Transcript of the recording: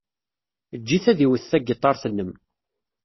Eǧǧ-it ad iwet tagiṭart-nnem.